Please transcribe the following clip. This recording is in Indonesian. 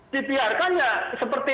ditiarkan ya seperti